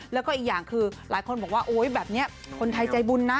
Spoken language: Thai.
แล้วก็อีกอย่างคือหลายคนบอกว่าโอ๊ยแบบนี้คนไทยใจบุญนะ